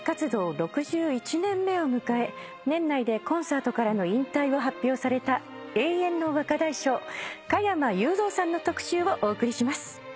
６１年目を迎え年内でコンサートからの引退を発表された永遠の若大将加山雄三さんの特集をお送りします。